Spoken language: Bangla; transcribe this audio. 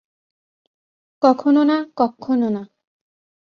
কখনো না, কক্ষনো না।